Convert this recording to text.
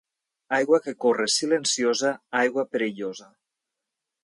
Aigua que corre silenciosa, aigua perillosa